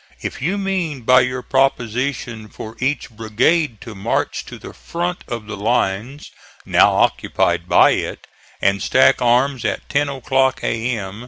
If you mean by your proposition for each brigade to march to the front of the lines now occupied by it, and stack arms at ten o'clock A.M.